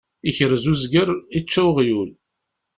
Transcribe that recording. Ikrez uzger, ičča uɣyul.